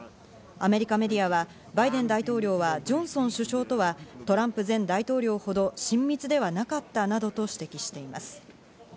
アメリカメディアは、バイデン大統領はジョンソン首相とはトランプ前大統領ほど親密ではなかったなどと指摘しています。